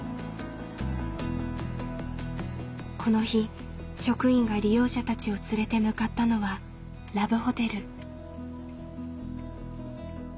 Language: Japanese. この日職員が利用者たちを連れて向かったのはラブホテル。